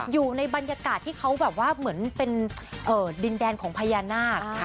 อยู่ในบรรยากาศที่เขาแบบว่าเหมือนเป็นดินแดนของพญานาค